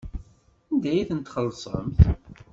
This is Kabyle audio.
Anda ay ten-txellṣemt?